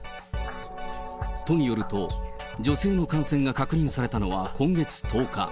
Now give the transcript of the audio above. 都によると、女性の感染が確認されたのは今月１０日。